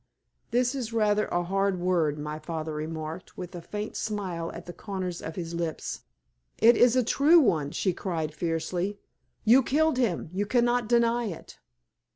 "This is rather a hard word," my father remarked, with a faint smile at the corners of his lips. "It is a true one," she cried, fiercely. "You killed him. You cannot deny it."